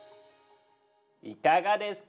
いかがですか？